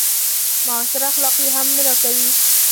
معاصر اخلاق يې هم نه راکوي.